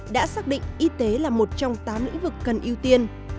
đã xác định y tế là một trong tám lĩnh vực cần ưu tiên